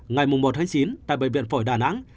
ngày một chín tại bệnh viện phổi đà nẵng